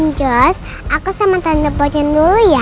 njus aku sama tante frodion dulu ya